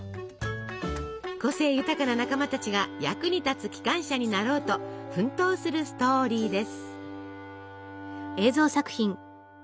個性豊かな仲間たちが役に立つ機関車になろうと奮闘するストーリーです。